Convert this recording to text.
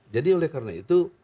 jadi oleh karena itu